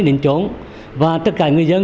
đến chỗ và tất cả người dân